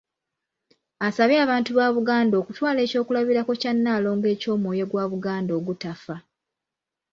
Asabye abantu ba Buganda okutwala eky’okulabirako kya Nalongo eky’omwoyo gwa Buganda ogutafa.